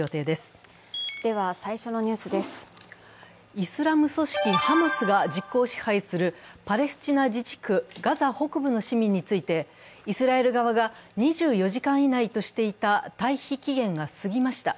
イスラム組織ハマスが実効支配するパレスチナ自治区ガザ北部の市民についてイスラエル側が、２４時間以内としていた退避期限が過ぎました。